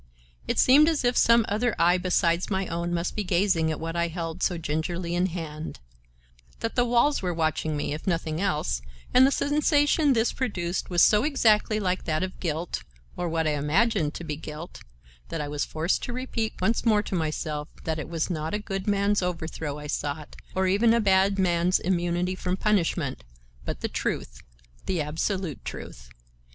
It seemed as if some other eye besides my own must be gazing at what I held so gingerly in hand; that the walls were watching me, if nothing else, and the sensation this produced was so exactly like that of guilt (or what I imagined to be guilt), that I was forced to repeat once more to myself that it was not a good man's overthrow I sought, or even a bad man's immunity from punishment, but the truth, the absolute truth.